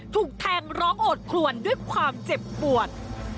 ถูกแทงร้องโอดคลวนด้วยความเจ็บปวด